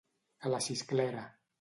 A la xisclera.